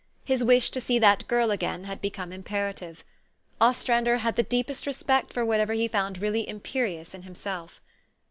His wish to see that girl again had become imperative. Ostrander had the deepest respect for whatever he found really imperious in himself.